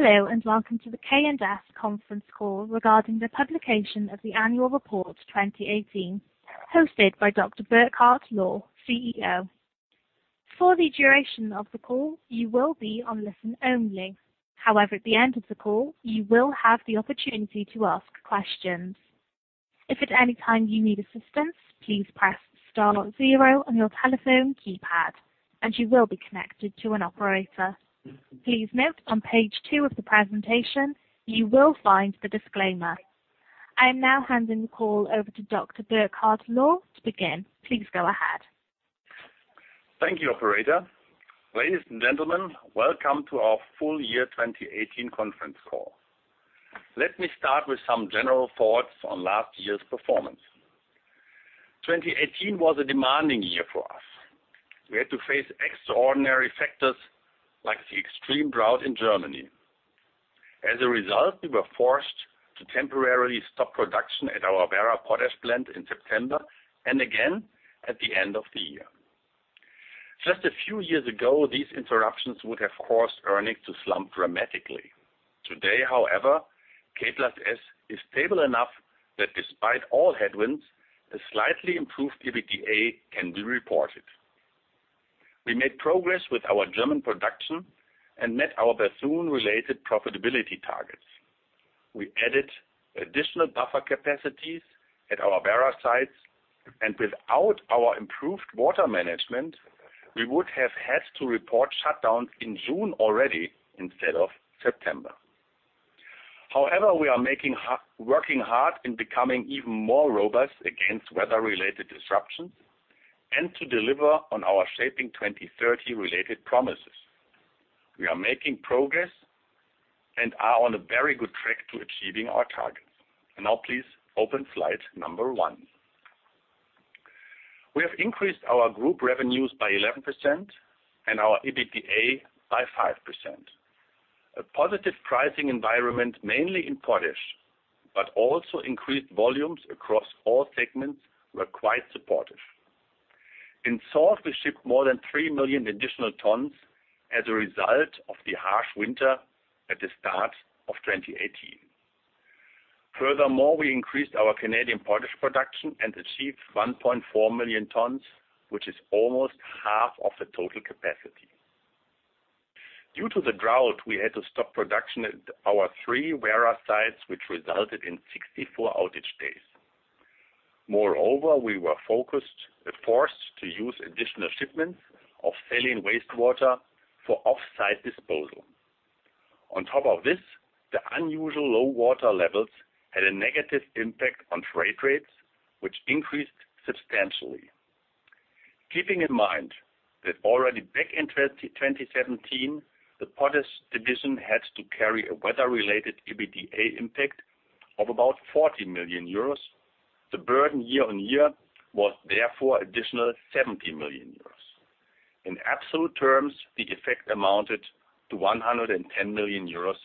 Hello, welcome to the K+S conference call regarding the publication of the annual report 2018, hosted by Dr. Burkhard Lohr, CEO. For the duration of the call, you will be on listen only. At the end of the call, you will have the opportunity to ask questions. If at any time you need assistance, please press star zero on your telephone keypad and you will be connected to an operator. Please note on page two of the presentation, you will find the disclaimer. I am now handing the call over to Dr. Burkhard Lohr to begin. Please go ahead. Thank you, operator. Ladies and gentlemen, welcome to our full year 2018 conference call. Let me start with some general thoughts on last year's performance. 2018 was a demanding year for us. We had to face extraordinary factors like the extreme drought in Germany. As a result, we were forced to temporarily stop production at our Werra potash plant in September and again at the end of the year. Just a few years ago, these interruptions would have caused earnings to slump dramatically. Today, however, K+S is stable enough that despite all headwinds, a slightly improved EBITDA can be reported. We made progress with our German production and met our Bethune-related profitability targets. We added additional buffer capacities at our Werra sites, and without our improved water management, we would have had to report shutdowns in June already instead of September. We are working hard in becoming even more robust against weather-related disruptions and to deliver on our Shaping 2030 related promises. We are making progress and are on a very good track to achieving our targets. Now please open slide number one. We have increased our group revenues by 11% and our EBITDA by 5%. A positive pricing environment, mainly in potash, but also increased volumes across all segments, were quite supportive. In salt, we shipped more than 3 million additional tonnes as a result of the harsh winter at the start of 2018. Furthermore, we increased our Canadian potash production and achieved 1.4 million tonnes, which is almost half of the total capacity. Due to the drought, we had to stop production at our 3 Werra sites, which resulted in 64 outage days. Moreover, we were forced to use additional shipments of saline wastewater for off-site disposal. On top of this, the unusual low water levels had a negative impact on freight rates, which increased substantially. Keeping in mind that already back in 2017, the potash division had to carry a weather-related EBITDA impact of about 40 million euros, the burden year-on-year was therefore additional 70 million euros. In absolute terms, the effect amounted to 110 million euros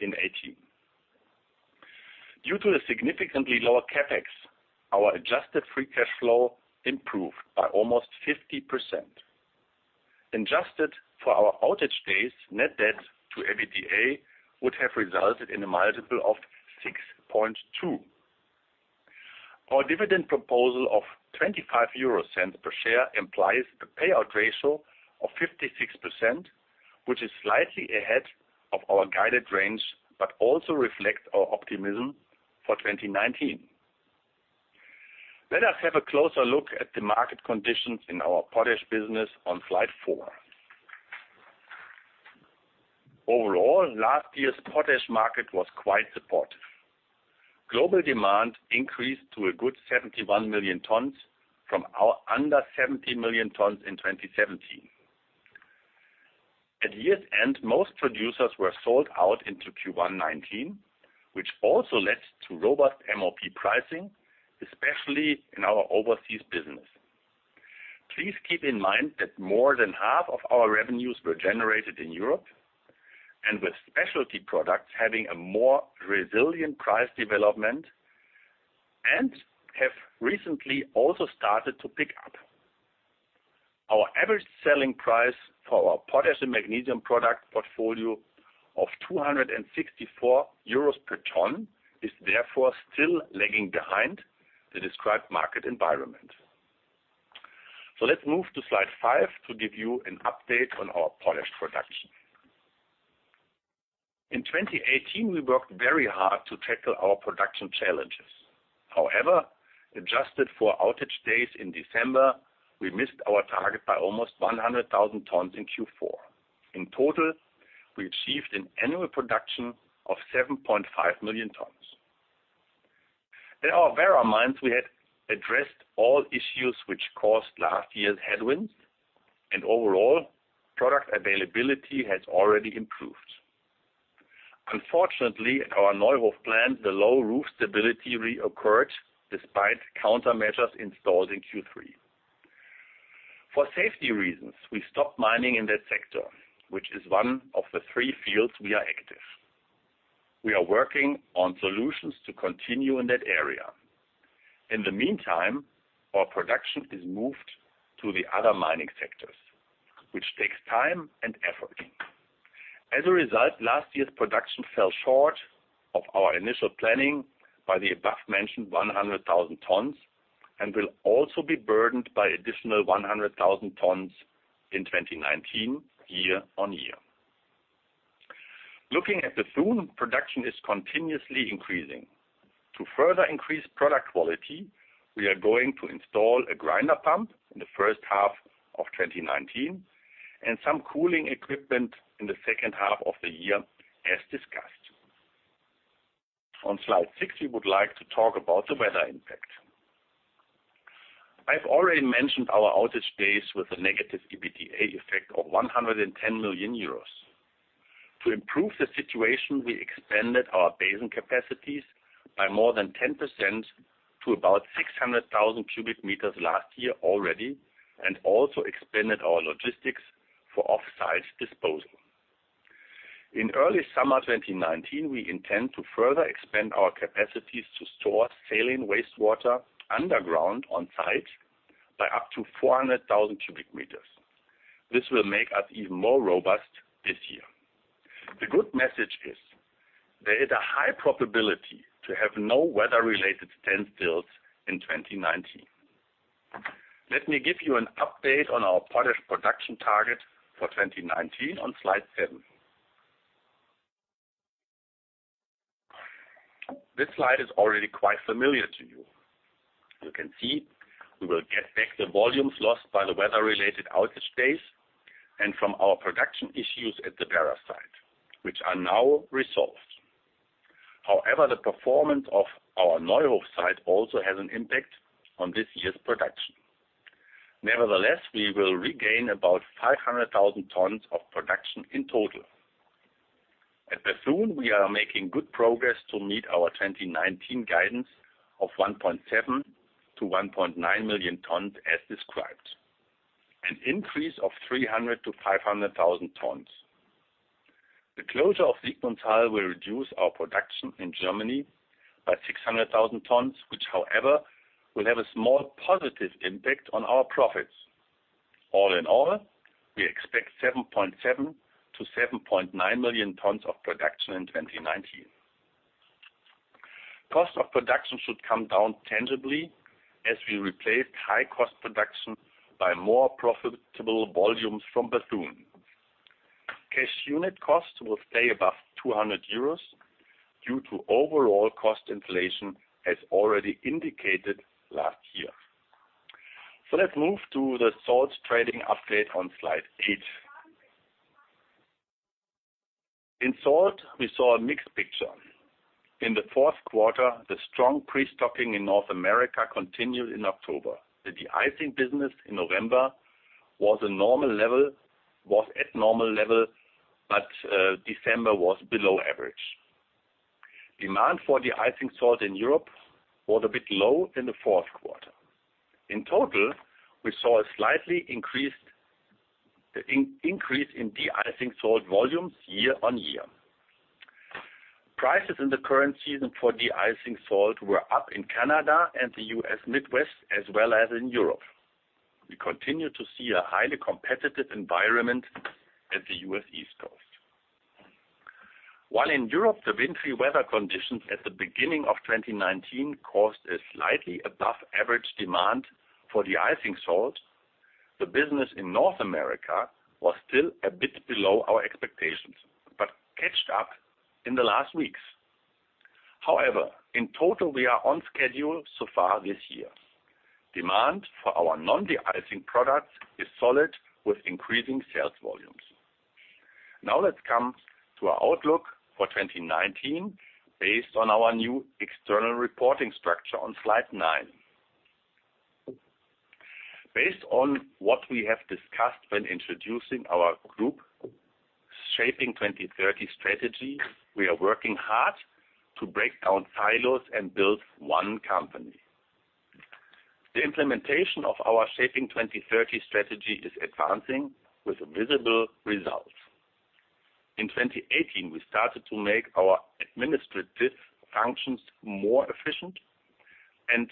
in 2018. Due to the significantly lower CapEx, our adjusted free cash flow improved by almost 50%. Adjusted for our outage days, net debt to EBITDA would have resulted in a multiple of 6.2. Our dividend proposal of 0.25 per share implies a payout ratio of 56%, which is slightly ahead of our guided range, but also reflects our optimism for 2019. Let us have a closer look at the market conditions in our potash business on slide four. Overall, last year's potash market was quite supportive. Global demand increased to a good 71 million tonnes from under 70 million tonnes in 2017. At year's end, most producers were sold out into Q1 2019, which also led to robust MOP pricing, especially in our overseas business. Please keep in mind that more than half of our revenues were generated in Europe, and with specialty products having a more resilient price development and have recently also started to pick up. Our average selling price for our potash and magnesium product portfolio of 264 euros per ton is therefore still lagging behind the described market environment. Let's move to slide five to give you an update on our potash production. In 2018, we worked very hard to tackle our production challenges. Adjusted for outage days in December, we missed our target by almost 100,000 tons in Q4. In total, we achieved an annual production of 7.5 million tonnes. At our Werra mines, we had addressed all issues which caused last year's headwinds, and overall, product availability has already improved. Unfortunately, at our Neuhof plant, the low roof stability reoccurred despite countermeasures installed in Q3. For safety reasons, we stopped mining in that sector, which is one of the three fields we are active. We are working on solutions to continue in that area. In the meantime, our production is moved to the other mining sectors, which takes time and effort. As a result, last year's production fell short of our initial planning by the above-mentioned 100,000 tonnes and will also be burdened by additional 100,000 tonnes in 2019, year-on-year. Looking at Bethune, production is continuously increasing. To further increase product quality, we are going to install a grinder pump in the first half of 2019 and some cooling equipment in the second half of the year as discussed. On slide six, we would like to talk about the weather impact. I've already mentioned our outage days with a negative EBITDA effect of 110 million euros. To improve the situation, we expanded our basin capacities by more than 10% to about 600,000 m³ last year already, and also expanded our logistics for offsite disposal. In early summer 2019, we intend to further expand our capacities to store saline wastewater underground on site by up to 400,000 m³. This will make us even more robust this year. The good message is there is a high probability to have no weather-related standstill in 2019. Let me give you an update on our potash production target for 2019 on slide seven. This slide is already quite familiar to you. You can see we will get back the volumes lost by the weather-related outage days and from our production issues at the Werra site, which are now resolved. However, the performance of our Neuhof site also has an impact on this year's production. We will regain about 500,000 tonnes of production in total. At Bethune, we are making good progress to meet our 2019 guidance of 1.7 million-1.9 million tons as described, an increase of 300,000-500,000 tonnes. The closure of Sigmundshall will reduce our production in Germany by 600,000 tonnes, which will have a small positive impact on our profits. All in all, we expect 7.7 million-7.9 million tonnes of production in 2019. Cost of production should come down tangibly as we replaced high-cost production by more profitable volumes from Bethune. Cash unit cost will stay above 200 euros due to overall cost inflation as already indicated last year. Let's move to the salt trading update on slide eight. In salt, we saw a mixed picture. In the fourth quarter, the strong pre-stocking in North America continued in October. The de-icing business in November was at normal level, but December was below average. Demand for de-icing salt in Europe was a bit low in the fourth quarter. In total, we saw a slight increase in de-icing salt volumes year-on-year. Prices in the current season for de-icing salt were up in Canada and the U.S. Midwest as well as in Europe. We continue to see a highly competitive environment at the U.S. East Coast. While in Europe, the wintry weather conditions at the beginning of 2019 caused a slightly above average demand for de-icing salt, the business in North America was still a bit below our expectations, but catched up in the last weeks. However, in total, we are on schedule so far this year. Demand for our non-de-icing products is solid with increasing sales volumes. Let's come to our outlook for 2019 based on our new external reporting structure on slide nine. Based on what we have discussed when introducing our group Shaping 2030 strategy, we are working hard to break down silos and build one company. The implementation of our Shaping 2030 strategy is advancing with visible results. In 2018, we started to make our administrative functions more efficient and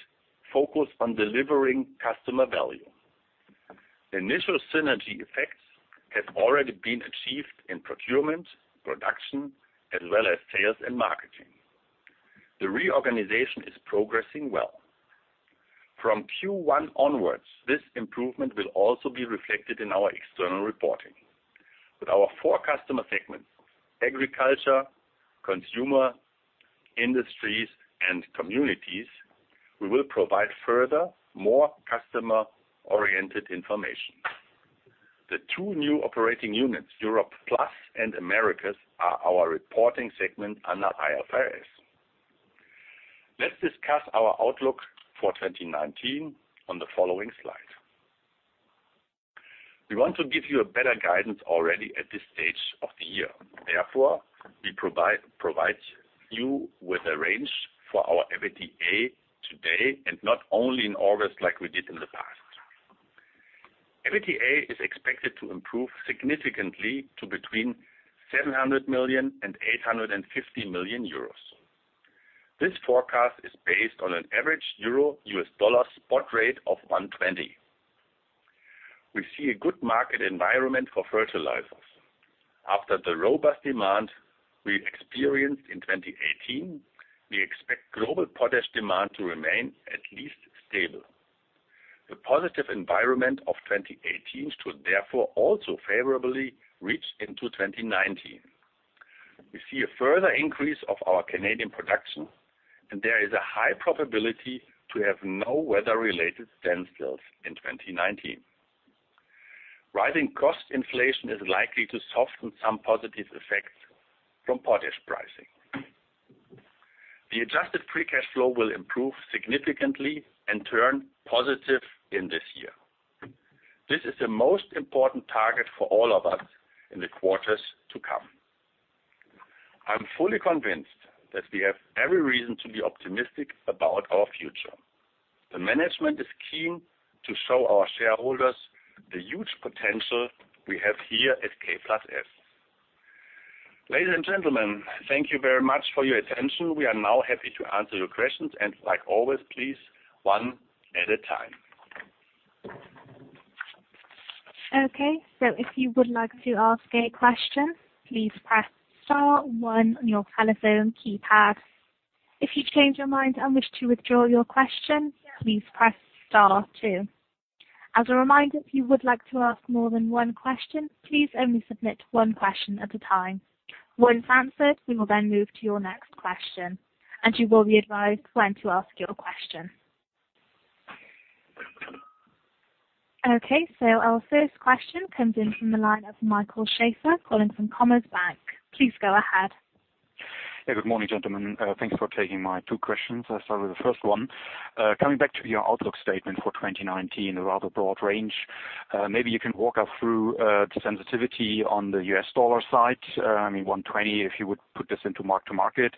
focus on delivering customer value. The initial synergy effects have already been achieved in procurement, production, as well as sales and marketing. The reorganization is progressing well. From Q1 onwards, this improvement will also be reflected in our external reporting. With our four customer segments, agriculture, consumer, industries, and communities, we will provide further, more customer-oriented information. The two new operating units, Europe+ and Americas, are our reporting segment under IFRS. Let's discuss our outlook for 2019 on the following slide. We want to give you a better guidance already at this stage of the year. We provide you with a range for our EBITDA today and not only in August like we did in the past. EBITDA is expected to improve significantly to between 700 million and 850 million euros. This forecast is based on an average Euro/U.S. dollar spot rate of 1.20. We see a good market environment for fertilizers. After the robust demand we experienced in 2018, we expect global potash demand to remain at least stable. The positive environment of 2018 should therefore also favorably reach into 2019. We see a further increase of our Canadian production, and there is a high probability to have no weather-related standstills in 2019. Rising cost inflation is likely to soften some positive effects from potash pricing. The adjusted free cash flow will improve significantly and turn positive in this year. This is the most important target for all of us in the quarters to come. I'm fully convinced that we have every reason to be optimistic about our future. The management is keen to show our shareholders the huge potential we have here at K+S. Ladies and gentlemen, thank you very much for your attention. We are now happy to answer your questions, like always, please, one at a time. Okay, if you would like to ask a question, please press star one on your telephone keypad. If you change your mind and wish to withdraw your question, please press star two. As a reminder, if you would like to ask more than one question, please only submit one question at a time. Once answered, we will move to your next question, you will be advised when to ask your question. Okay, our first question comes in from the line of Michael Schaefer calling from Commerzbank. Please go ahead. Yeah, good morning, gentlemen. Thanks for taking my two questions. I'll start with the first one. Coming back to your outlook statement for 2019, a rather broad range. Maybe you can walk us through the sensitivity on the US dollar side. I mean, 1.20, if you would put this into mark to market.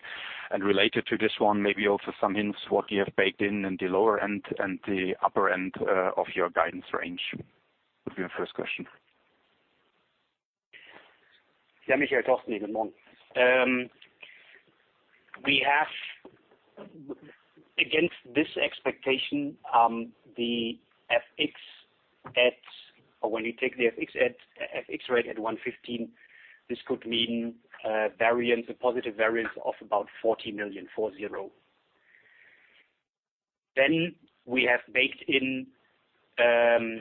Related to this one, maybe also some hints what you have baked in in the lower end and the upper end of your guidance range, would be my first question. Yeah, Michael, good morning. We have, against this expectation, the FX at when you take the FX rate at 1.15, this could mean a positive variance of about 40 million. We have baked in the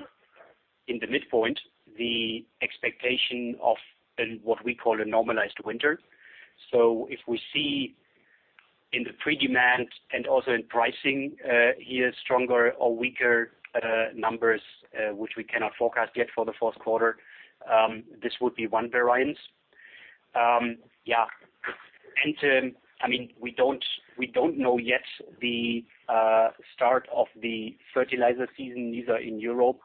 midpoint, the expectation of what we call a normalized winter. If we see in the pre-demand and also in pricing here, stronger or weaker numbers, which we cannot forecast yet for the fourth quarter, this would be one variance. Yeah. We don't know yet the start of the fertilizer season, neither in Europe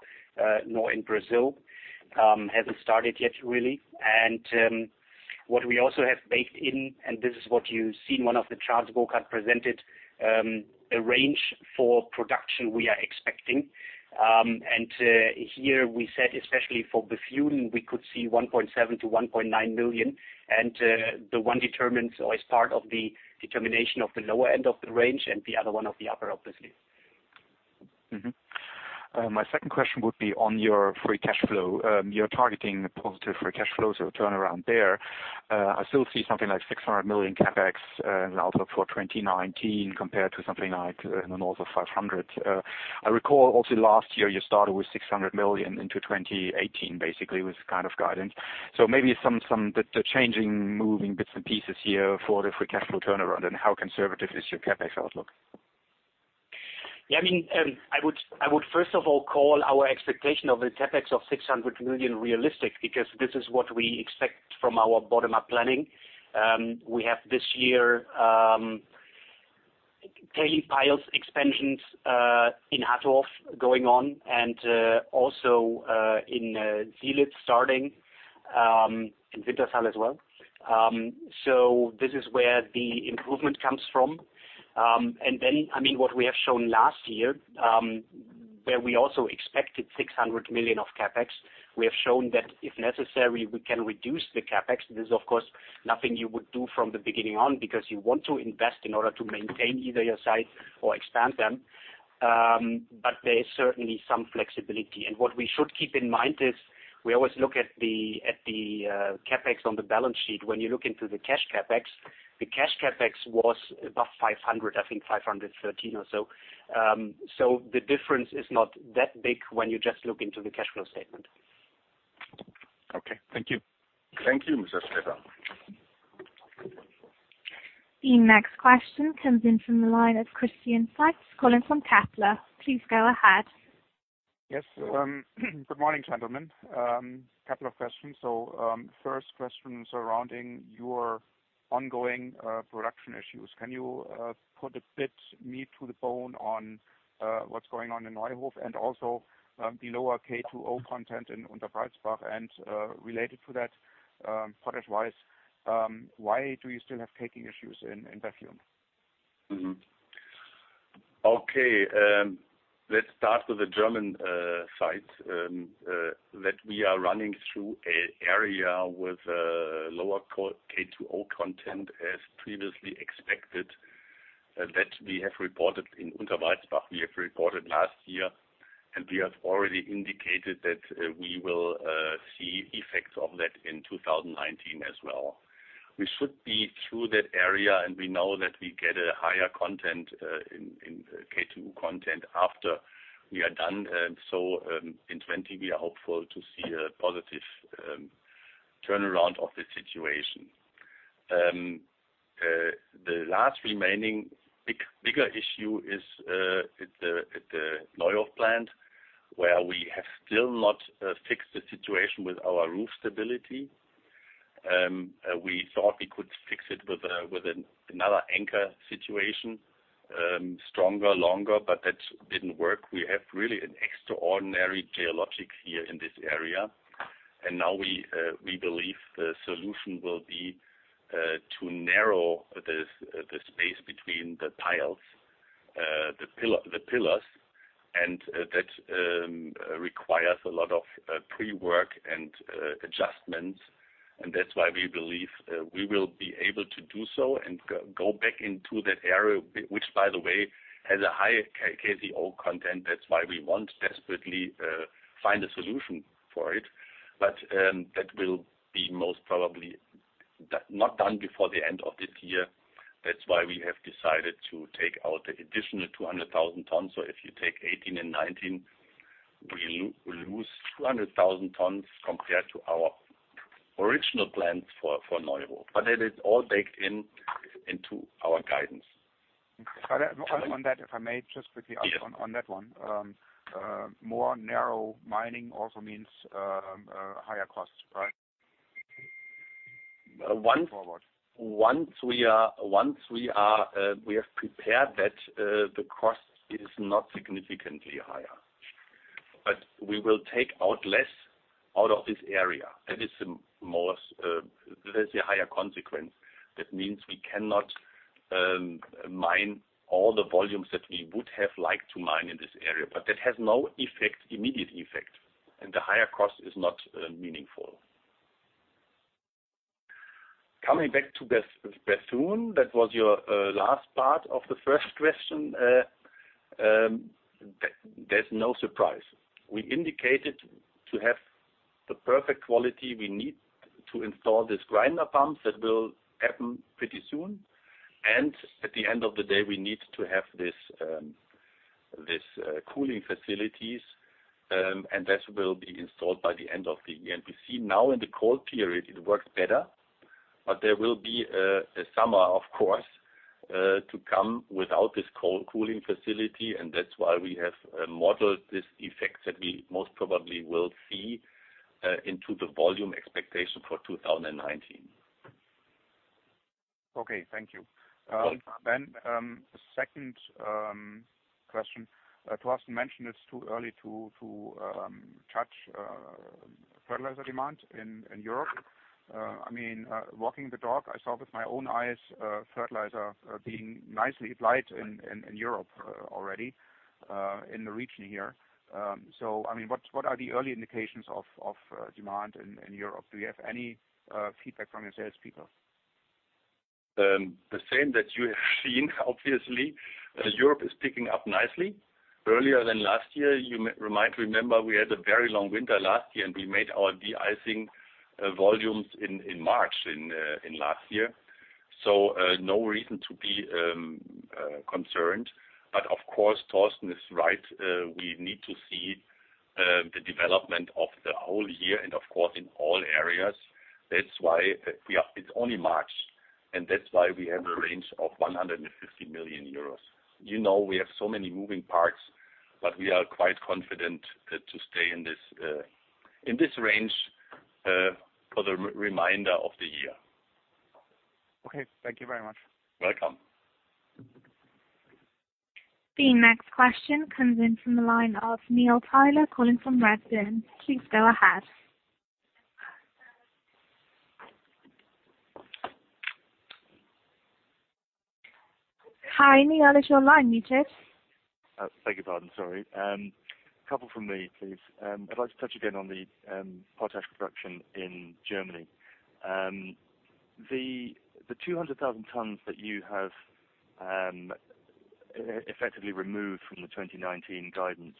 nor in Brazil. It hasn't started yet, really. What we also have baked in, and this is what you see in one of the charts Burkhard presented, a range for production we are expecting. Here we said, especially for Bethune, we could see 1.7 million-1.9 million, and the one determines or is part of the determination of the lower end of the range and the other one of the upper, obviously. My second question would be on your free cash flow. You're targeting positive free cash flow, a turnaround there. I still see something like 600 million CapEx in the outlook for 2019 compared to something like in the north of 500 million. I recall also last year, you started with 600 million into 2018, basically, with this kind of guidance. Maybe the changing, moving bits and pieces here for the free cash flow turnaround, and how conservative is your CapEx outlook? I would first of all call our expectation of a CapEx of 600 million realistic, because this is what we expect from our bottom-up planning. We have this year tailings piles expansions in Hattorf going on, also in Zielitz starting, in Wintershall as well. This is where the improvement comes from. Then, what we have shown last year, where we also expected 600 million of CapEx, we have shown that if necessary, we can reduce the CapEx. This is, of course, nothing you would do from the beginning on, because you want to invest in order to maintain either your sites or expand them, but there is certainly some flexibility. What we should keep in mind is we always look at the CapEx on the balance sheet. When you look into the cash CapEx, the cash CapEx was above 500 million, I think 513 million or so. The difference is not that big when you just look into the cash flow statement. Okay. Thank you. Thank you, Mr. Schaefer. The next question comes in from the line of Christian Faitz calling from Kepler. Please go ahead. Yes. Good morning, gentlemen. A couple of questions. First question surrounding your ongoing production issues. Can you put a bit meat to the bone on what's going on in Neuhof and also the lower K2O content in Unterbreizbach? Related to that, potash-wise, why do you still have caking issues in Bethune? Okay. Let's start with the German site, that we are running through an area with a lower K2O content, as previously expected, that we have reported in Unterbreizbach. We have reported last year, and we have already indicated that we will see effects of that in 2019 as well. We should be through that area, and we know that we get a higher K2O content after we are done. In 2020, we are hopeful to see a positive turnaround of the situation. The last remaining bigger issue is at the Neuhof plant, where we have still not fixed the situation with our roof stability. We thought we could fix it with another anchor situation, stronger, longer, but that didn't work. We have really an extraordinary geologic here in this area. Now we believe the solution will be to narrow the space between the pillars, and that requires a lot of pre-work and adjustments. That's why we believe we will be able to do so and go back into that area, which, by the way, has a higher K2O content. That's why we want desperately find a solution for it. That will be most probably not done before the end of this year. That's why we have decided to take out the additional 200,000 tonnes. If you take 2018 and 2019, we lose 200,000 tonnes compared to our original plans for Neuhof. It is all baked into our guidance. On that, if I may, just quickly. On that one. More narrow mining also means higher costs, right? Going forward. Once we have prepared that, the cost is not significantly higher. We will take out less out of this area. That is a higher consequence. That means we cannot mine all the volumes that we would have liked to mine in this area, but that has no immediate effect, and the higher cost is not meaningful. Coming back to Bethune, that was your last part of the first question. There's no surprise. We indicated to have the perfect quality we need to install this grinder pump. That will happen pretty soon. At the end of the day, we need to have these cooling facilities, and that will be installed by the end of the year. We see now in the cold period, it works better, there will be a summer, of course, to come without this cold cooling facility, that's why we have modeled this effect that we most probably will see into the volume expectation for 2019. Okay. Thank you. The second question. Thorsten mentioned it's too early to judge fertilizer demand in Europe. Walking the dock, I saw with my own eyes fertilizer being nicely applied in Europe already, in the region here. What are the early indications of demand in Europe? Do you have any feedback from your salespeople? The same that you have seen, obviously. Europe is picking up nicely, earlier than last year. You might remember we had a very long winter last year, and we made our de-icing volumes in March last year. No reason to be concerned. Of course, Thorsten is right. We need to see the development of the whole year, and of course, in all areas. It is only March, and that is why we have a range of 150 million euros. You know we have so many moving parts, but we are quite confident to stay in this range for the remainder of the year. Okay. Thank you very much. Welcome. The next question comes in from the line of Neil Tyler, calling from Redburn. Please go ahead. Hi, Neil, is your line muted? I beg your pardon. Sorry. Couple from me, please. I would like to touch again on the potash production in Germany. The 200,000 tonnes that you have effectively removed from the 2019 guidance,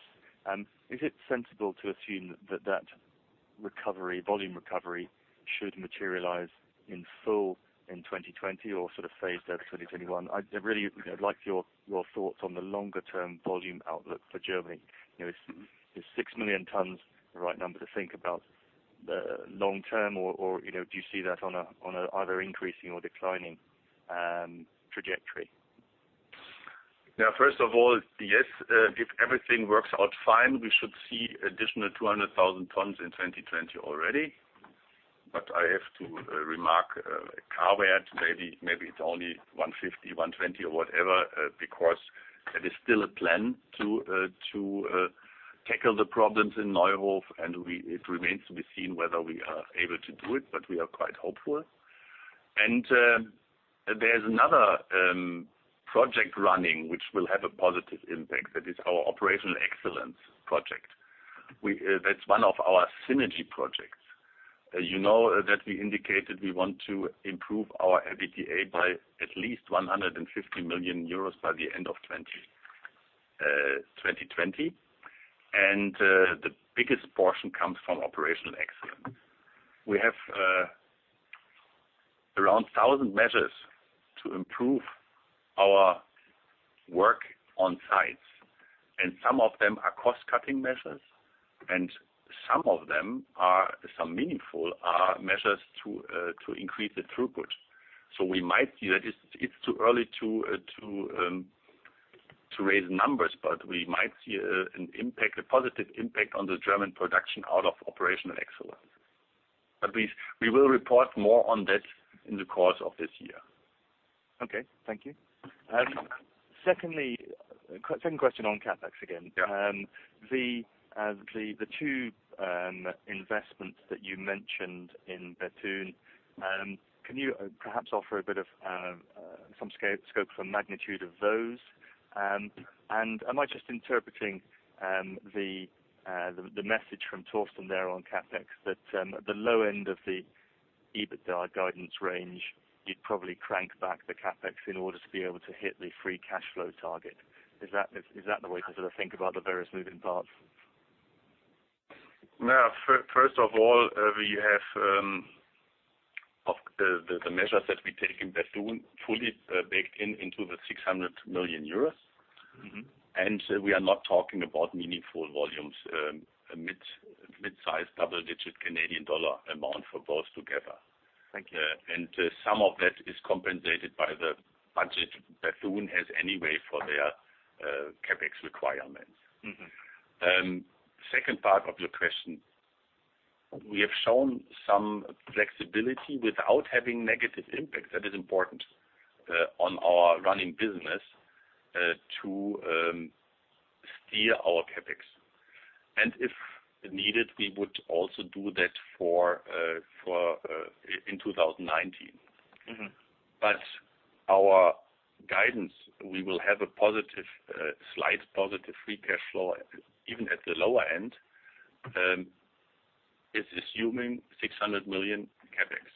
is it sensible to assume that that volume recovery should materialize in full in 2020 or phased out to 2021? I would really like your thoughts on the longer-term volume outlook for Germany. Is 6 million tonnes the right number to think about long term, or do you see that on either an increasing or declining trajectory? First of all, yes, if everything works out fine, we should see additional 200,000 tonnes in 2020 already. I have to remark a caveat, maybe it's only 150,000, 120,000 or whatever, because it is still a plan to tackle the problems in Neuhof, and it remains to be seen whether we are able to do it, but we are quite hopeful. There's another project running, which will have a positive impact. That is our operational excellence project. That's one of our synergy projects. You know that we indicated we want to improve our EBITDA by at least 150 million euros by the end of 2020. The biggest portion comes from operational excellence. We have around 1,000 measures to improve our work on sites, and some of them are cost-cutting measures, and some meaningful measures to increase the throughput. We might see that. It's too early to raise numbers, but we might see a positive impact on the German production out of operational excellence. We will report more on that in the course of this year. Okay. Thank you. Second question on CapEx again. The two investments that you mentioned in Bethune, can you perhaps offer some scope for magnitude of those? Am I just interpreting the message from Thorsten there on CapEx that the low end of the EBITDA guidance range, you'd probably crank back the CapEx in order to be able to hit the free cash flow target. Is that the way to sort of think about the various moving parts? No. First of all, we have the measures that we take in Bethune fully baked in into the 600 million euros. We are not talking about meaningful volumes, a mid-size double-digit Canadian dollar amount for both together. Some of that is compensated by the budget Bethune has anyway for their CapEx requirements. Second part of your question, we have shown some flexibility without having negative impact, that is important, on our running business to steer our CapEx. If needed, we would also do that in 2019. Our guidance, we will have a slight positive free cash flow even at the lower end, is assuming 600 million CapEx.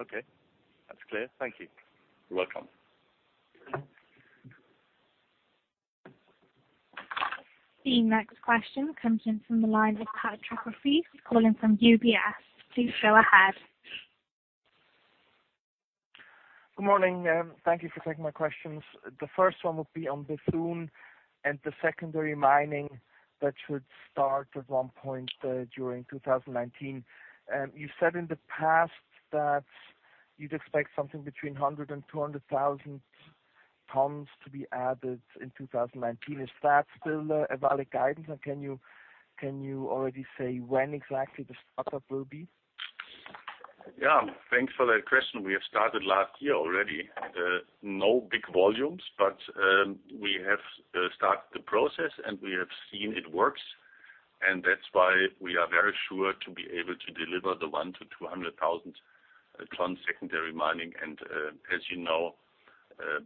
Okay. That's clear. Thank you You're welcome. The next question comes in from the line of Patrick Rafaisz, calling from UBS. Please go ahead. Good morning. Thank you for taking my questions. The first one would be on Bethune and the secondary mining that should start at one point, during 2019. You said in the past that you'd expect something between 100,000 and 200,000 tonnes to be added in 2019. Is that still a valid guidance? Can you already say when exactly the startup will be? Yeah. Thanks for that question. We have started last year already. No big volumes, but we have started the process, and we have seen it works, and that's why we are very sure to be able to deliver the 100,000 to 200,000 tonnes secondary mining. As you know,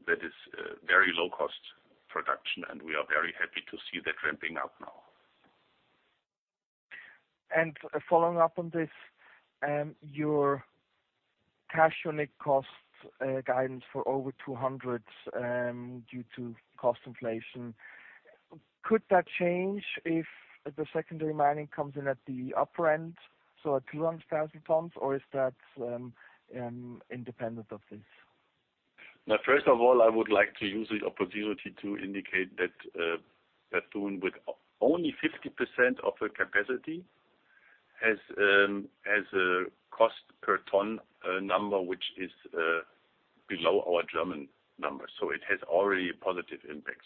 that is very low-cost production, and we are very happy to see that ramping up now. Following up on this, your cash unit cost guidance for over 200, due to cost inflation, could that change if the secondary mining comes in at the upper end, so at 200,000 tonnes? Is that independent of this? First of all, I would like to use the opportunity to indicate that Bethune, with only 50% of her capacity, has a cost per ton number, which is below our German number. It has already a positive impact.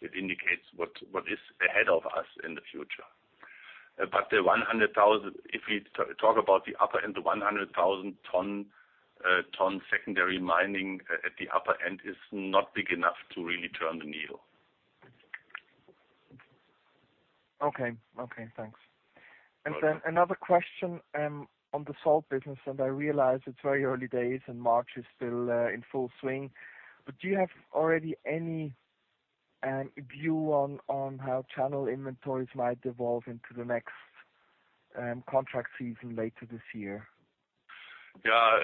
It indicates what is ahead of us in the future. If we talk about the upper end, the 100,000 tonnes secondary mining at the upper end is not big enough to really turn the needle. Okay. Thanks. Another question on the Salt business, I realize it's very early days and March is still in full swing, do you have already any view on how channel inventories might evolve into the next contract season later this year? Yeah.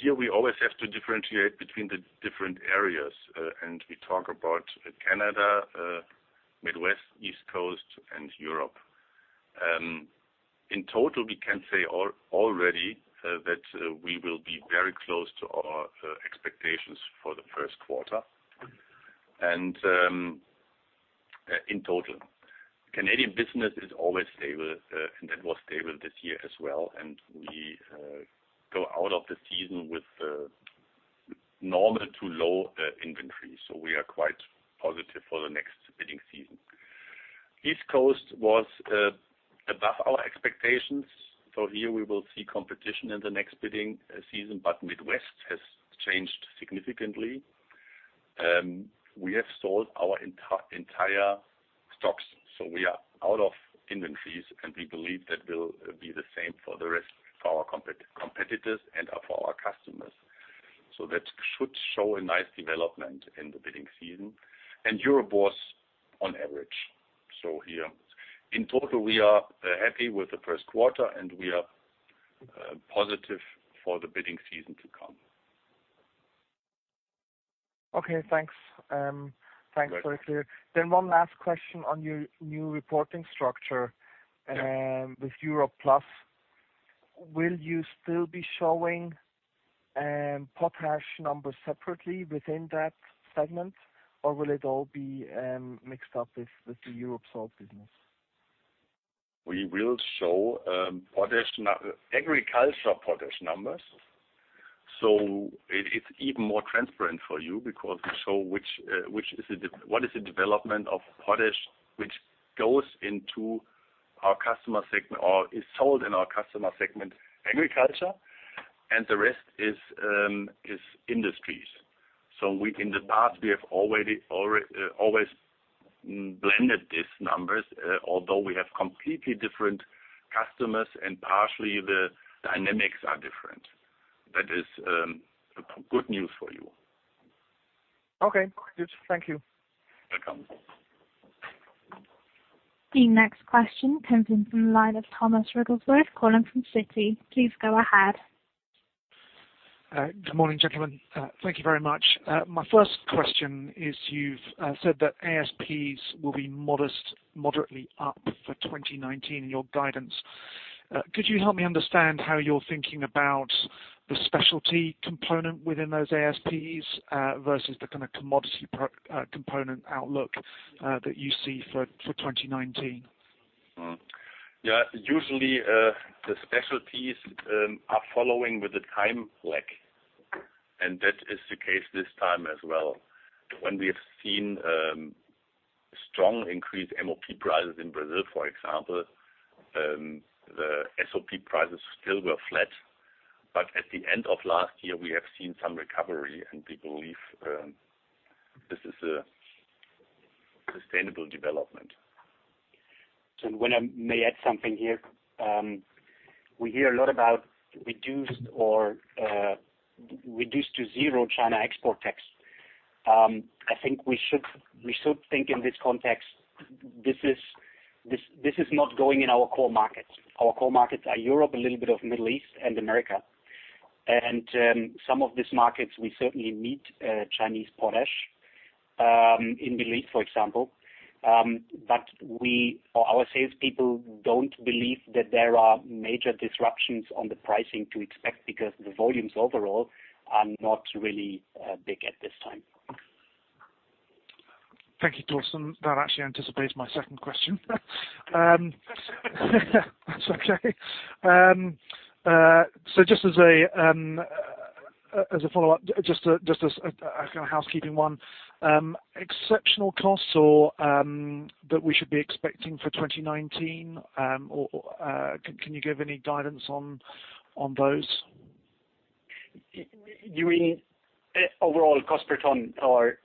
Here we always have to differentiate between the different areas, we talk about Canada, Midwest, East Coast, and Europe. In total, we can say already that we will be very close to our expectations for the first quarter. In total, Canadian business is always stable, that was stable this year as well. We go out of the season with normal to low inventory. We are quite positive for the next bidding season. East Coast was above our expectations. Here we will see competition in the next bidding season, Midwest changed significantly. We have sold our entire stocks, we are out of inventories, we believe that will be the same for the rest of our competitors and for our customers. That should show a nice development in the bidding season. Europe was on average. In total, we are happy with the first quarter, we are positive for the bidding season to come. Okay, thanks. Very clear. One last question on your new reporting structure. With Europe+. Will you still be showing potash numbers separately within that segment, or will it all be mixed up with the Europe Salt business? We will show agriculture potash numbers. It is even more transparent for you because we show what is the development of potash, which goes into our customer segment or is sold in our customer segment, agriculture, and the rest is industries. In the past, we have always blended these numbers, although we have completely different customers and partially the dynamics are different. That is good news for you. Okay. Good. Thank you. The next question comes in from the line of Thomas Wrigglesworth, calling from Citi. Please go ahead. Good morning, gentlemen. Thank you very much. My first question is, you've said that ASPs will be moderately up for 2019 in your guidance. Could you help me understand how you're thinking about the specialty component within those ASPs, versus the kind of commodity component outlook that you see for 2019? Yeah. Usually, the specialties are following with the time lag, and that is the case this time as well. When we have seen strong increased MOP prices in Brazil, for example, the SOP prices still were flat. At the end of last year, we have seen some recovery, and we believe this is a sustainable development. When I may add something here. We hear a lot about reduced or reduced to zero China export tax. I think we should think in this context, this is not going in our core markets. Our core markets are Europe, a little bit of Middle East and America. In some of these markets, we certainly meet Chinese potash, in Middle East, for example, Our salespeople don't believe that there are major disruptions on the pricing to expect because the volumes overall are not really big at this time. Thank you, Thorsten. That actually anticipates my second question. That's okay. Just as a follow-up, just as a kind of housekeeping one, exceptional costs that we should be expecting for 2019, or can you give any guidance on those? You mean overall cost per tonne or?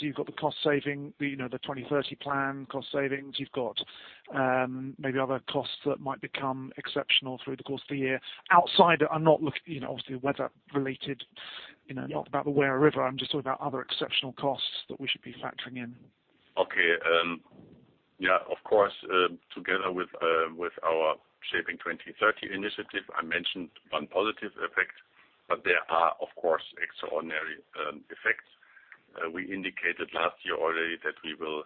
You've got the cost saving, the 2030 plan cost savings. You've got maybe other costs that might become exceptional through the course of the year. Outside, I'm not looking, obviously, weather-related, not about the Werra River, I'm just talking about other exceptional costs that we should be factoring in. Okay. Yeah, of course, together with our Shaping 2030 initiative, I mentioned one positive effect, but there are, of course, extraordinary effects. We indicated last year already that we will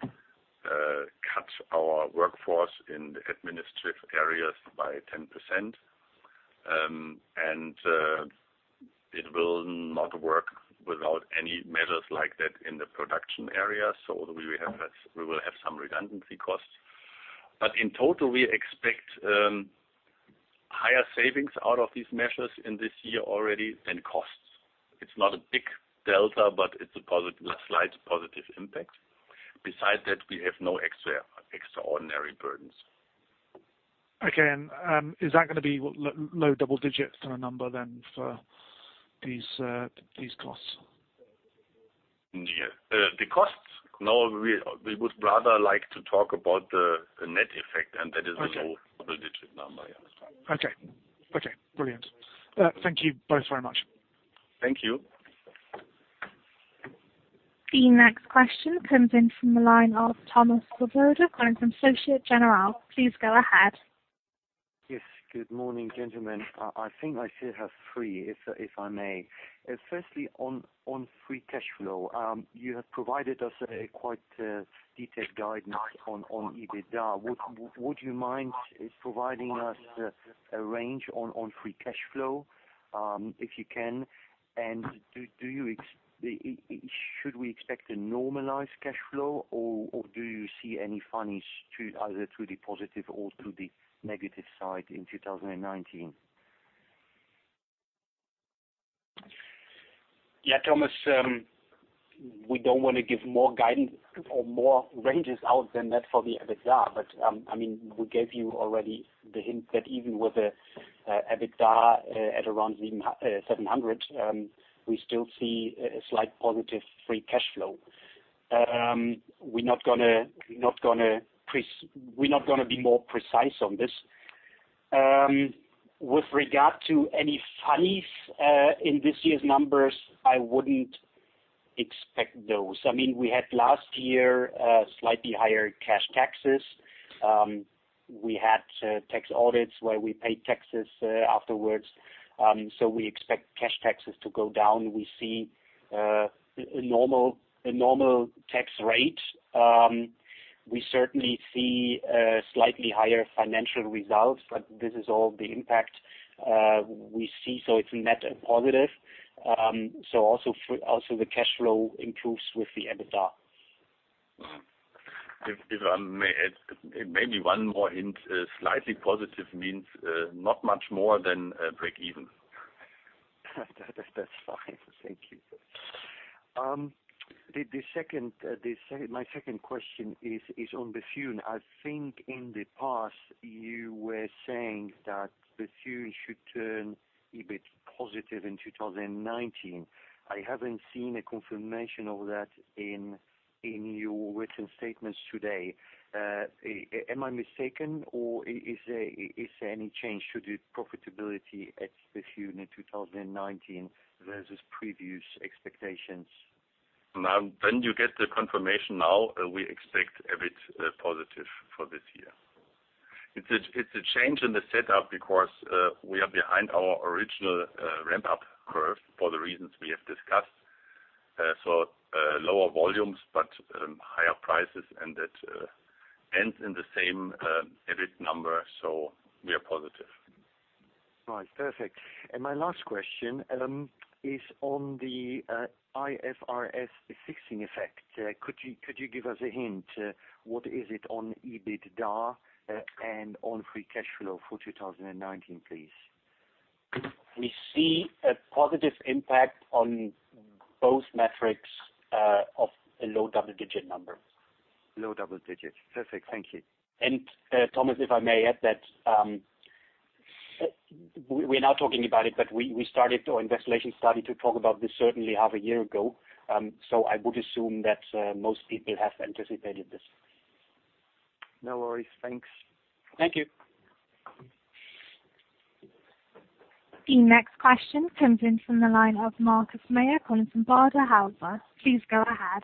cut our workforce in the administrative areas by 10%. It will not work without any measures like that in the production area, we will have some redundancy costs. In total, we expect higher savings out of these measures in this year already than costs. It's not a big delta, but it's a slight positive impact. Besides that, we have no extraordinary burdens. Okay. Is that going to be low double digits in a number then for these costs? The costs, no, we would rather like to talk about the net effect, and that is a low double-digit number, yes. Okay. Okay, brilliant. Thank you both very much. Thank you. The next question comes in from the line of Thomas Swoboda, calling from Société Générale. Please go ahead. Yes. Good morning, gentlemen. I think I still have three, if I may. Firstly, on free cash flow. You have provided us a quite detailed guidance on EBITDA. Would you mind providing us a range on free cash flow, if you can? Should we expect a normalized cash flow, or do you see any funnies either to the positive or to the negative side in 2019? Yeah, Thomas, we don't want to give more guidance or more ranges out than that for the EBITDA, we gave you already the hint that even with EBITDA at around 700 million, we still see a slight positive free cash flow. We're not going to be more precise on this. With regard to any funnies in this year's numbers, I wouldn't expect those. We had last year slightly higher cash taxes. We had tax audits where we paid taxes afterwards, we expect cash taxes to go down. We see a normal tax rate. We certainly see slightly higher financial results, this is all the impact we see. It's net positive, also the cash flow improves with the EBITDA. If I may add, maybe one more hint, slightly positive means not much more than breakeven. That's fine. Thank you. My second question is on Bethune. I think in the past you were saying that Bethune should turn EBIT positive in 2019. I haven't seen a confirmation of that in your written statements today. Am I mistaken, or is there any change to the profitability at Bethune 2019 versus previous expectations? You get the confirmation now. We expect EBIT positive for this year. It's a change in the setup because we are behind our original ramp-up curve for the reasons we have discussed. Lower volumes, but higher prices, and that ends in the same EBIT number, so we are positive. Right. Perfect. My last question is on the IFRS 16 effect. Could you give us a hint, what is it on EBITDA and on free cash flow for 2019, please? We see a positive impact on both metrics of a low double-digit number. Low double-digit. Perfect. Thank you. Thomas, if I may add that, we're now talking about it, but we started our investigation study to talk about this certainly half a year ago. I would assume that most people have anticipated this. No worries. Thanks. Thank you. The next question comes in from the line of Markus Mayer, Baader Helvea. Please go ahead.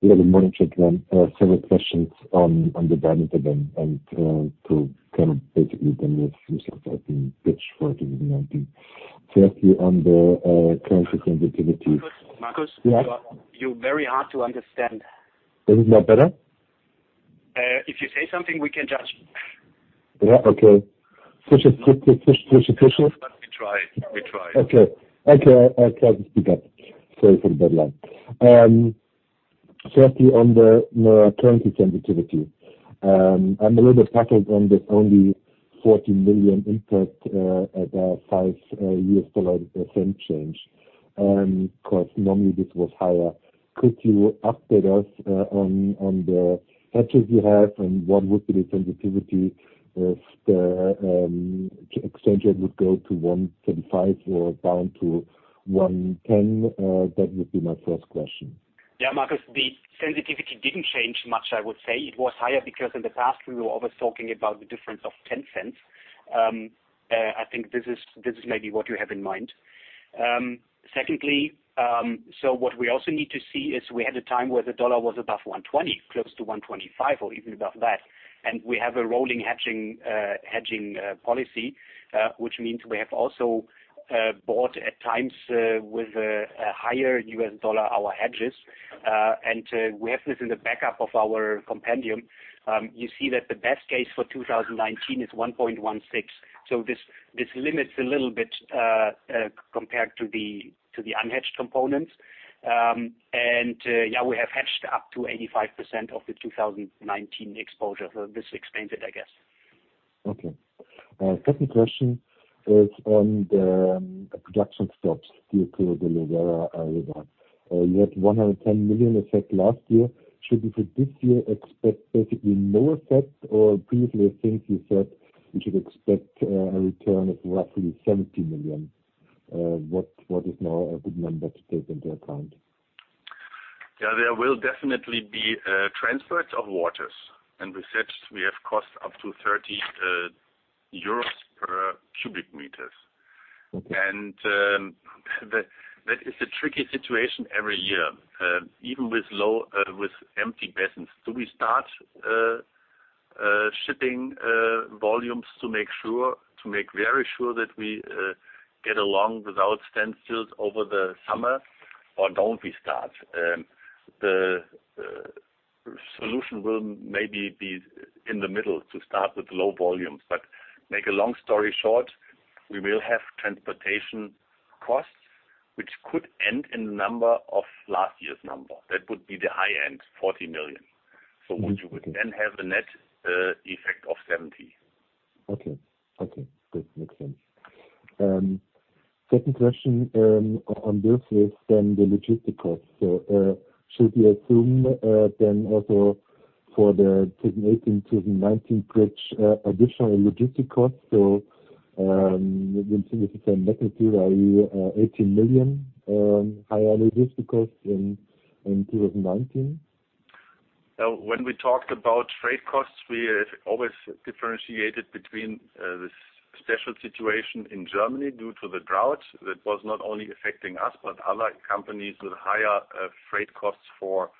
Good morning, everyone. Several questions on the bottom of them and to kind of basically move yourself as the pitch for 2019. Firstly, on the currency sensitivity- Markus, you're very hard to understand. Is it not better? If you say something, we can judge. We try. Okay. I'll try to speak up. Sorry for the bad line. Certainly on the currency sensitivity. I'm a little baffled on this only EUR 40 million impact at a change, because normally this was higher. Could you update us on the hedges you have and what would be the sensitivity if the exchange rate would go to 1.25 or down to 1.10? That would be my first question. Yeah, Markus, the sensitivity didn't change much, I would say. It was higher because in the past, we were always talking about the difference of [ EUR 0.10]. I think this is maybe what you have in mind. Secondly, what we also need to see is we had a time where the dollar was above 1.20, close to 1.25 or even above that. We have a rolling hedging policy, which means we have also bought at times with a higher U.S. dollar, our hedges. We have this in the backup of our compendium. You see that the best case for 2019 is 1.16. This limits a little bit compared to the unhedged components. Yeah, we have hedged up to 85% of the 2019 exposure. This explains it, I guess. Okay. Second question is on the production stops due to the low water level. You had 110 million effect last year. Should we for this year expect basically no effect? Previously, I think you said we should expect a return of roughly 70 million. What is now a good number to take into account? Yeah, there will definitely be transfers of waters. We said we have costs up to EUR 30 per m³. That is a tricky situation every year, even with empty basins. Do we start shipping volumes to make very sure that we get along without standstills over the summer, or don't we start? The solution will maybe be in the middle, to start with low volumes. To make a long story short, we will have transportation costs, which could end in the number of last year's number. That would be the high end, 40 million. You would then have a net effect of 70. Okay. Good. Makes sense. Second question on this is the logistic cost. Should we assume then also for the 2018-2019 bridge additional logistic costs? We continue the same magnitude, are you EUR 18 million higher logistic cost in 2019? When we talked about freight costs, we always differentiated between the special situation in Germany due to the drought that was not only affecting us, but other companies with higher freight costs for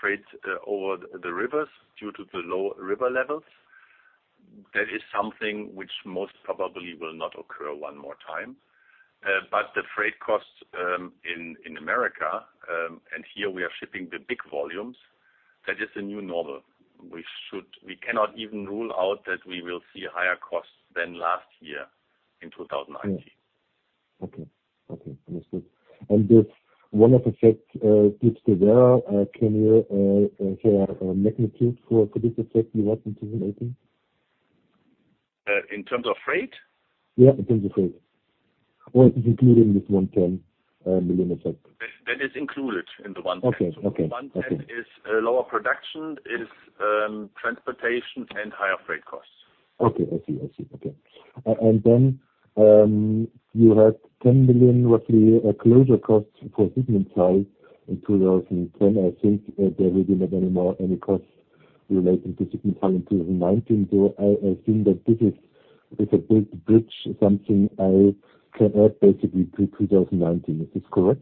freight over the rivers due to the low river levels. That is something which most probably will not occur one more time. The freight costs in Americas, and here we are shipping the big volumes, that is a new normal. We cannot even rule out that we will see higher costs than last year in 2019. Okay. Understood. and these one off effects with the Werra, can you give a magnitude for this effect you had in 2018? In terms of freight? Yeah, in terms of freight. Is it included in this 110 million effect? That is included in the 110 million. 110 million is lower production, is transportation, and higher freight costs. Okay. I see. You had 10 million roughly closure costs for Sigmundshall in [2018]. I think there will be not anymore any costs relating to Sigmundshall in 2019. I assume that this is with a big bridge, something I can add basically to 2019. Is this correct?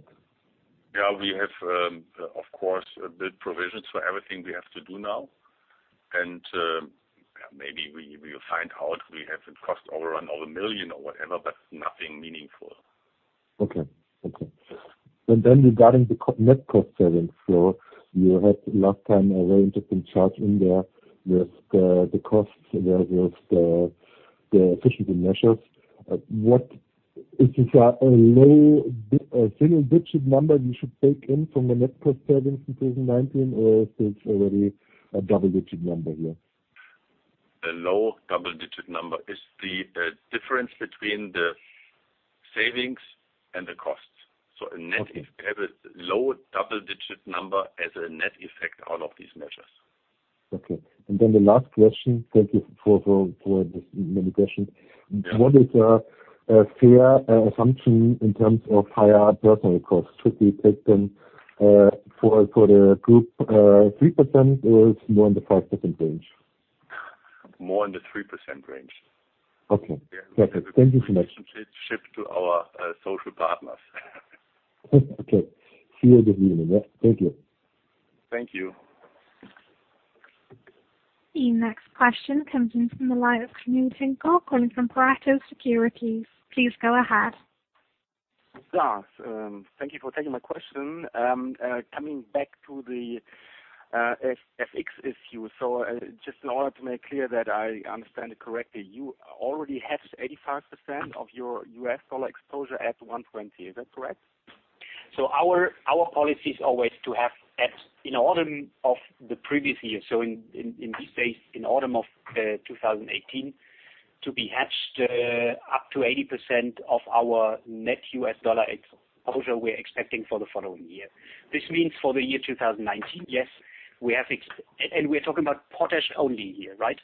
Yeah. We have, of course, a bit provisions for everything we have to do now. Maybe we will find out we have a cost overrun of 1 million or whatever, but nothing meaningful. Okay. Regarding the net cost savings. You had last time a range of charges in there with the costs ahead of the efficiency measures. What is the low single-digit number you should bake in from the net cost savings in 2019, or is it already a double-digit number here? A low double-digit number is the difference between the savings and the costs. Have a low double-digit number as a net effect out of these measures. Okay. The last question, thank you for this many questions. What is a fair assumption in terms of higher personnel costs? Should we take them for the Group 3% or more in the 5% range? More in the 3% range. Okay. Perfect. Thank you so much. But this shifts to our social partners. Okay. See you at the meeting. Thank you. Thank you. The next question comes in from the line of calling from Pareto Securities. Please go ahead. Yes. Thank you for taking my question. Coming back to the FX issue. Just in order to make clear that I understand it correctly, you already hedged 85% of your U.S. Dollar exposure at 1.20. Is that correct? Our policy is always to have hedged in autumn of the previous year, so in this case, in autumn of 2018, to be hedged up to 80% of our net U.S. dollar exposure we're expecting for the following year. This means for the year 2019, yes. We're talking about potash only here, right?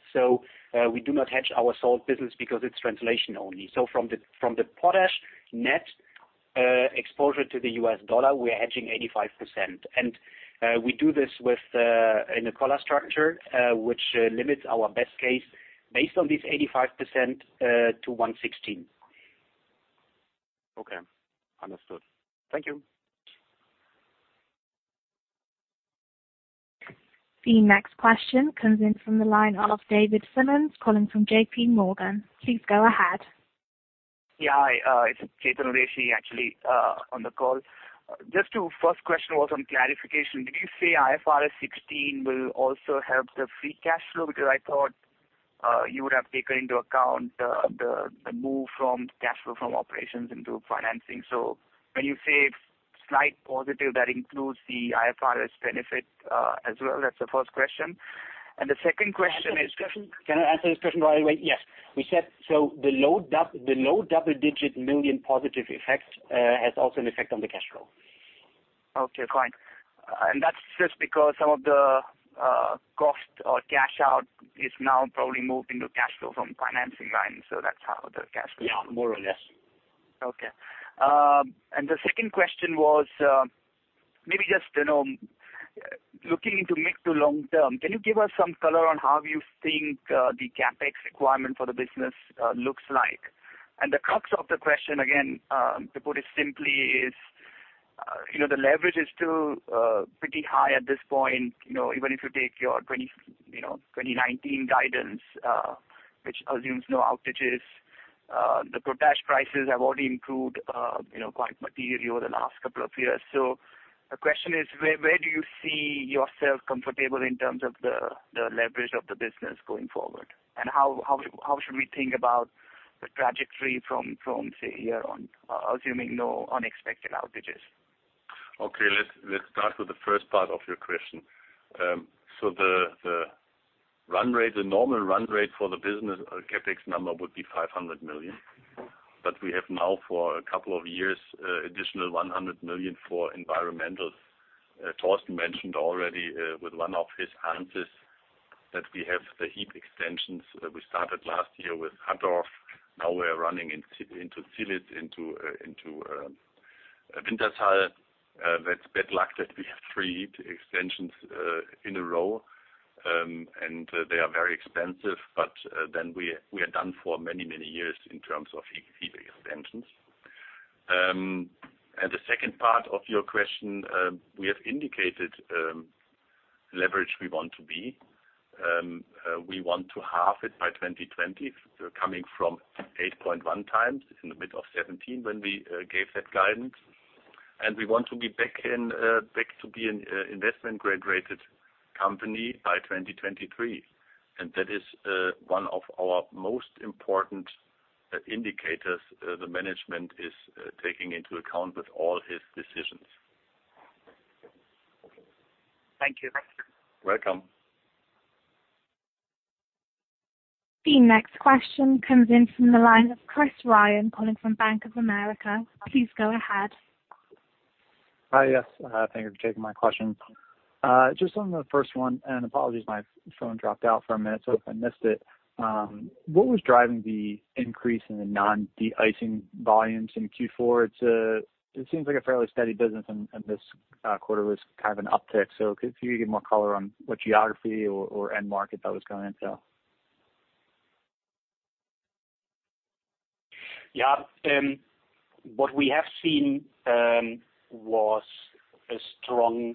We do not hedge our Salt business because it's translation only. From the potash net exposure to the U.S. dollar, we're hedging 85%. We do this in a collar structure, which limits our best case based on this 85% to 1.16. Okay. Understood. Thank you. The next question comes in from the line of David Simmons calling from JPMorgan. Please go ahead. Yeah. Hi, it's Chetan Udeshi actually on the call. The first question was on clarification. Did you say IFRS 16 will also help the free cash flow? Because I thought you would have taken into account the move from cash flow from operations into financing. When you say slight positive, that includes the IFRS benefit as well? That's the first question. The second question is. Can I answer this question right away? We said the low double-digit million positive effect has also an effect on the cash flow. Okay. Fine. That's just because some of the cost or cash out is now probably moved into cash flow from financing line, that's how the cash flow. Yeah, more or less. Okay. The second question was maybe just looking into mid to long-term, can you give us some color on how you think the CapEx requirement for the business looks like? The crux of the question, again, to put it simply is, the leverage is still pretty high at this point, even if you take your 2019 guidance, which assumes no outages. The potash prices have already improved quite material the last couple of years. The question is, where do you see yourself comfortable in terms of the leverage of the business going forward? How should we think about the trajectory from, say, here on assuming no unexpected outages? Okay, let's start with the first part of your question. The normal run rate for the business CapEx number would be 500 million. We have now for a couple of years, additional 100 million for environmental. Thorsten mentioned already with one of his answers that we have the heap extensions that we started last year with Hattorf. Now we're running into Zielitz, into Wintershall. That's a bit luck that we have three heap extensions in a row, and they are very expensive, but then we are done for many years in terms of heap extensions. The second part of your question, we have indicated leverage we want to be. We want to halve it by 2020, coming from 8.1x in the middle of 2017 when we gave that guidance. We want to be back to being an investment-grade rated company by 2023. That is one of our most important indicators the management is taking into account with all his decisions. Thank you. Welcome. The next question comes in from the line of Chris Ryan calling from Bank of America. Please go ahead. Hi. Yes, thank you for taking my question. Just on the first one, apologies, my phone dropped out for a minute, so if I missed it. What was driving the increase in the non de-icing volumes in Q4? It seems like a fairly steady business, and this quarter was an uptick. Could you give more color on what geography or end market that was going into? What we have seen was a strong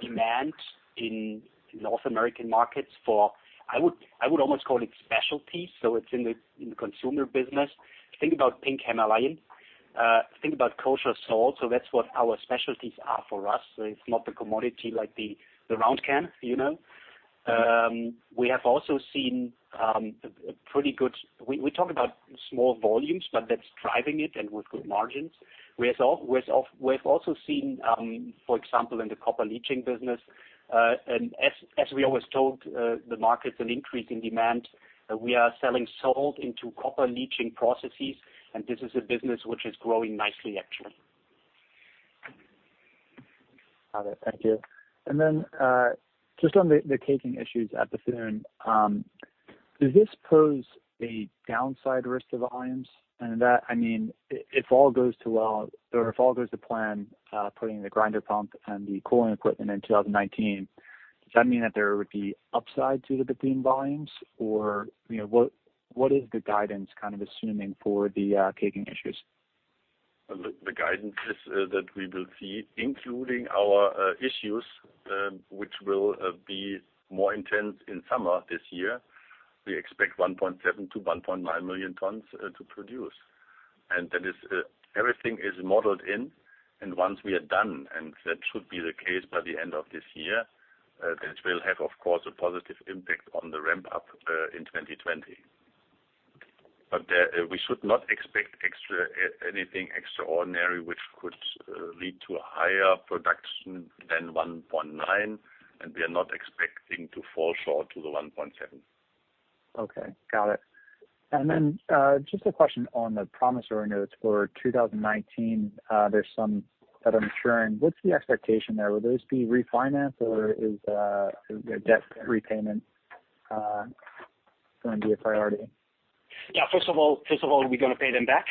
demand in North American markets for, I would almost call it Specialty. It's in the consumer business. Think about Pink Himalayan. Think about kosher salt. That's what our specialties are for us. It's not the commodity like the round can. We talk about small volumes, but that's driving it and with good margins. We've also seen, for example, in the copper leaching business, and as we always told the markets, an increase in demand. We are selling salt into copper leaching processes, and this is a business which is growing nicely, actually. Got it. Thank you. Just on the caking issues at Bethune. Does this pose a downside risk to volumes? That, I mean, if all goes to plan, putting the grinder pump and the cooling equipment in 2019, does that mean that there would be upside to the Bethune volumes? What is the guidance assuming for the caking issues? The guidance is that we will see, including our issues, which will be more intense in summer this year, we expect 1.7 million-1.9 million tonnes to produce. Everything is modeled in, and once we are done, and that should be the case by the end of this year, that will have, of course, a positive impact on the ramp-up in 2020. We should not expect anything extraordinary which could lead to a higher production than 1.9 million, and we are not expecting to fall short to the 1.7 million. Okay. Got it. Just a question on the promissory notes for 2019. There's some that are maturing. What's the expectation there? Will those be refinanced, or is a debt repayment going to be a priority? Yeah, first of all, we're going to pay them back.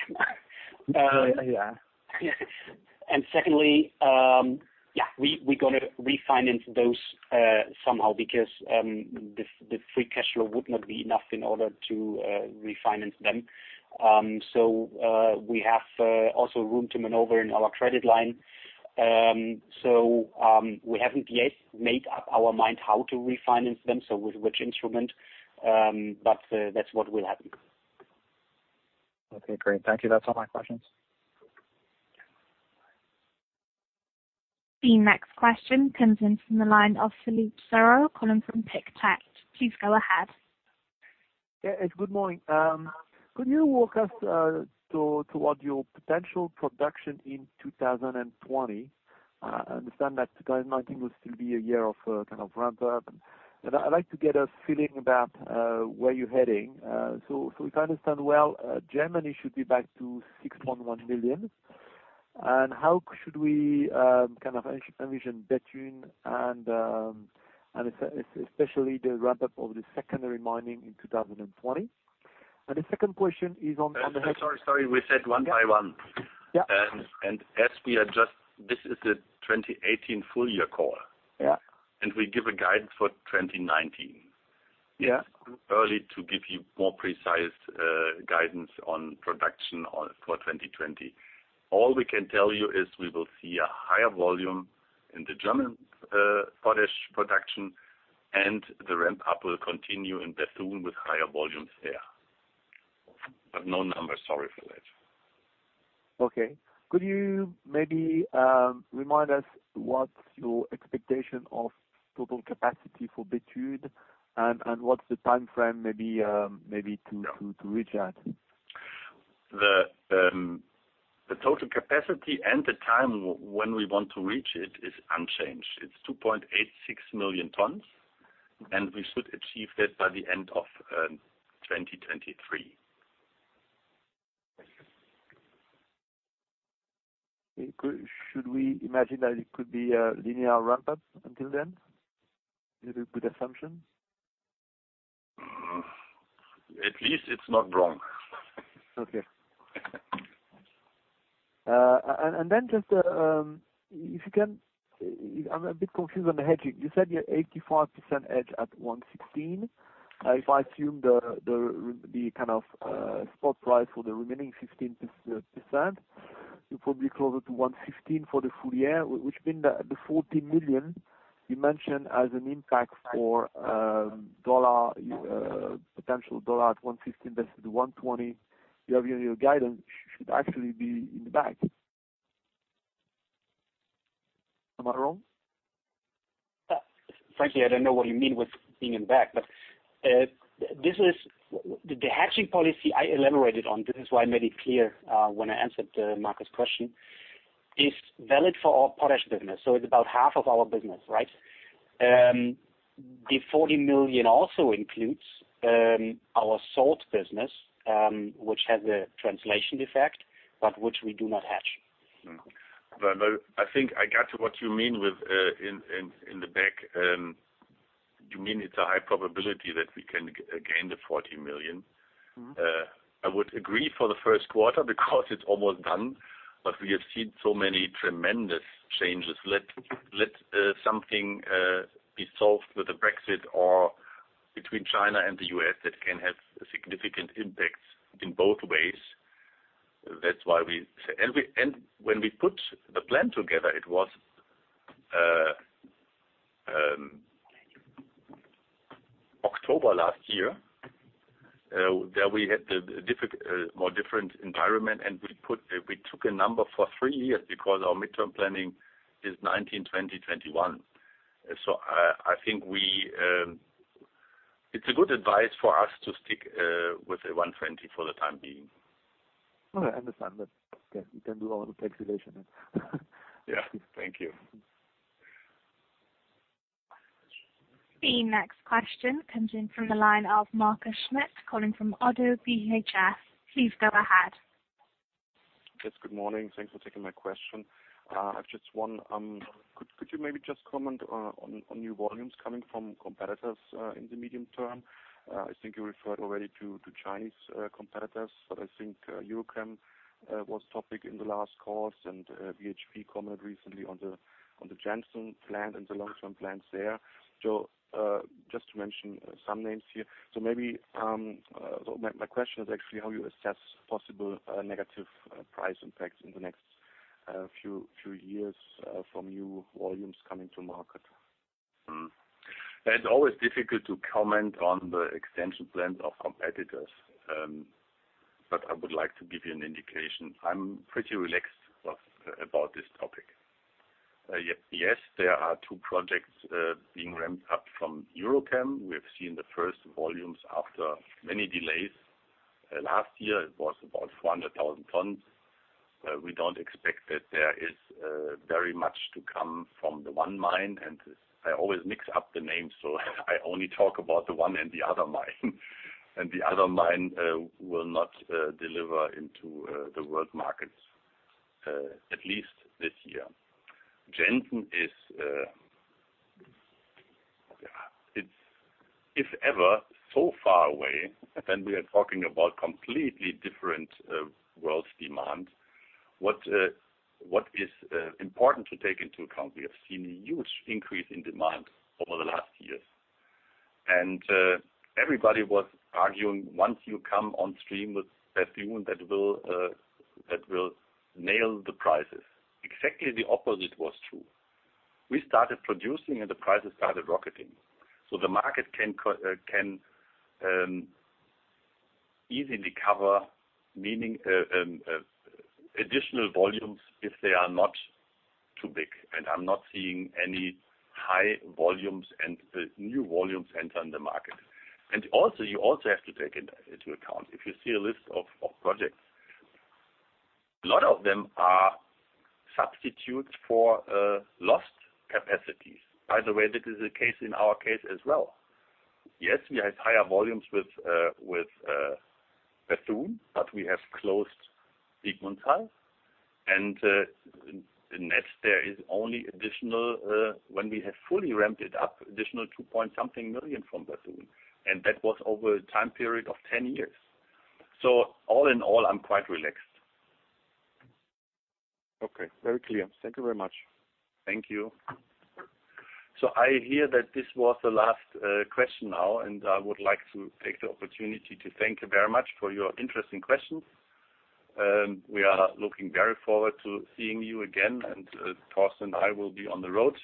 Secondly, yeah, we going to refinance those somehow because the free cash flow would not be enough in order to refinance them. We have also room to maneuver in our credit line. We haven't yet made up our mind how to refinance them, so with which instrument, but that's what will happen. Okay, great. Thank you. That's all my questions. The next question comes in from the line of, calling from Pictet. Please go ahead. Yeah, good morning. Could you walk us toward your potential production in 2020? I understand that 2019 will still be a year of ramp-up. I'd like to get a feeling about where you're heading. If I understand well, Germany should be back to 6.1 million. How should we envision Bethune and especially the ramp-up of the secondary mining in 2020? The second question is on- Sorry. We said one by one. This is the 2018 full year call. We give a guidance for 2019. It's too early to give you more precise guidance on production for 2020. All we can tell you is we will see a higher volume in the German potash production, and the ramp-up will continue in Bethune with higher volumes there. No numbers, sorry for that. Okay. Could you maybe remind us what's your expectation of total capacity for Bethune and what's the timeframe maybe to reach that? The total capacity and the time when we want to reach it is unchanged. It's 2.86 million tonnes, and we should achieve that by the end of 2023. Should we imagine that it could be a linear ramp up until then? Is it a good assumption? At least it's not wrong. I'm a bit confused on the hedging. You said you're 85% hedged at 1.16. If I assume the spot price for the remaining 15%, you're probably closer to 1.15 for the full year, which means that the 40 million you mentioned as an impact for potential dollar at 1.15 versus 1.20, you have in your guidance should actually be in the back. Am I wrong? Frankly, I don't know what you mean with being in back, the hedging policy I elaborated on, this is why I made it clear when I answered Markus' question, is valid for our potash business. It's about half of our business, right? The 40 million also includes our Salt business, which has a translation effect, which we do not hedge. I think I got what you mean with in the back. You mean it's a high probability that we can gain the 40 million. I would agree for the first quarter because it's almost done. We have seen so many tremendous changes. Let something be solved with the Brexit or between China and the U.S. that can have significant impacts in both ways. That's why we say when we put the plan together, it was October last year, that we had a more different environment, and we took a number for three years because our midterm planning is 2019, 2020, 2021. I think it's a good advice for us to stick with the 1.20 for the time being. No, I understand that. Okay. We can do our own calculation. Yeah. Thank you. The next question comes in from the line of Markus Schmitt calling from ODDO BHF. Please go ahead. Yes, good morning. Thanks for taking my question. I've just one. Could you maybe just comment on new volumes coming from competitors in the medium term? I think you referred already to Chinese competitors, but I think EuroChem was topic in the last calls, and BHP commented recently on the Jansen plan and the long-term plans there. Just to mention some names here. My question is actually how you assess possible negative price impacts in the next few years from new volumes coming to market. It's always difficult to comment on the expansion plans of competitors, but I would like to give you an indication. I'm pretty relaxed about this topic. Yes, there are two projects being ramped up from EuroChem. We have seen the first volumes after many delays. Last year, it was about 400,000 tonnes. We don't expect that there is very much to come from the one mine, and I always mix up the names, so I only talk about the one and the other mine. The other mine will not deliver into the world markets at least this year. Jansen is, if ever, so far away, we are talking about completely different world demand. What is important to take into account, we have seen a huge increase in demand over the last years. Everybody was arguing, once you come on stream with Bethune, that will nail the prices. Exactly the opposite was true. We started producing, and the prices started rocketing. The market can easily cover additional volumes if they are not too big, and I'm not seeing any high volumes and the new volumes entering the market. Also, you also have to take into account, if you see a list of projects, a lot of them are substitutes for lost capacities. By the way, that is the case in our case as well. Yes, we have higher volumes with Bethune, but we have closed Sigmundshall, and the net there is only additional, when we have fully ramped it up, additional two-point-something million from Bethune, and that was over a time period of 10 years. All in all, I'm quite relaxed. Okay. Very clear. Thank you very much. Thank you. I hear that this was the last question now, and I would like to take the opportunity to thank you very much for your interesting questions. We are looking very forward to seeing you again, and Thorsten and I will be on the road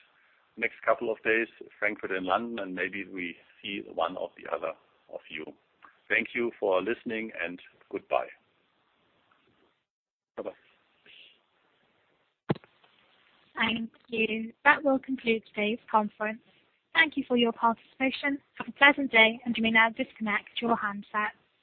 next couple of days, Frankfurt and London, maybe we see one or the other of you. Thank you for listening, and goodbye. Thank you. That will conclude today's conference. Thank you for your participation. Have a pleasant day, and you may now disconnect your handset.